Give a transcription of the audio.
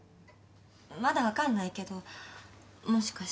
まだわかんないけどもしかしたら。